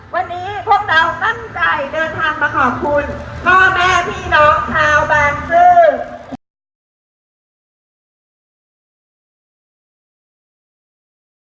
วันนี้พวกเราตั้งใจเดินทางมาขอบคุณพ่อแม่พี่น้องชาวบางซื่อ